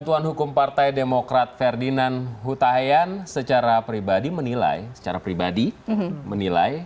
satuan hukum partai demokrat ferdinand hutahian secara pribadi menilai secara pribadi menilai